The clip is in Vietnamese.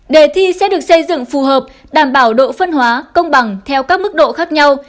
đề thi sẽ được xây dựng phù hợp đảm bảo độ phân hóa công bằng theo các mức độ khác nhau